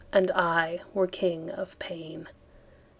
And I were king of pain.